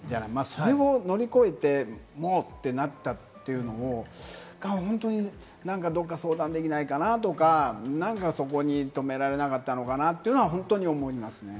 それも乗り越えて、もうってなったというのも、何かどこかに相談できないかな？とか、何かそこに止められなかったのかな？というのは本当に思いますね。